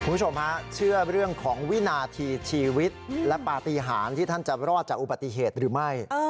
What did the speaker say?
คุณผู้ชมฮะเชื่อเรื่องของวินาทีชีวิตและปฏิหารที่ท่านจะรอดจากอุบัติเหตุหรือไม่